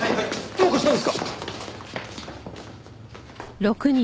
どうかしたんですか？